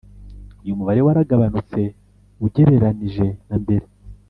uyu mubare waragabanutse ugereranije na mbere